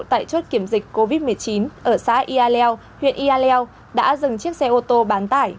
tại chốt kiểm dịch covid một mươi chín ở xã yà lèo huyện yà lèo đã dừng chiếc xe ô tô bán tải